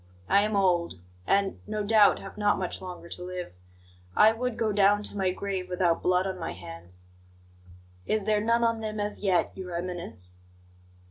I am old, and, no doubt, have not much longer to live. I would go down to my grave without blood on my hands." "Is there none on them as yet, Your Eminence?"